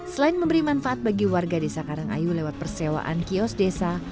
selain memberi manfaat bagi warga desa karangayu lewat persewaan kios desa